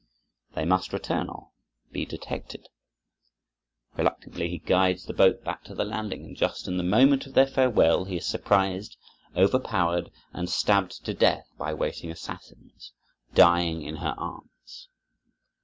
They must return or be detected. Reluctantly he guides the boat back to the landing, and just in the moment of their farewell he is surprised, overpowered, and stabbed to death by waiting assassins, dying in her arms.